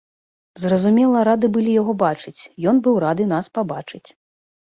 Зразумела, рады былі яго бачыць, ён быў рады нас пабачыць.